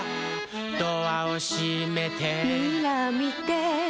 「ドアをしめて」「ミラーみて」